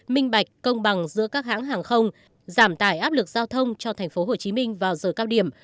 minh bạch công bằng giữa các hãng hàng không giảm tải áp lực giao thông cho tp hcm vào giờ cao điểm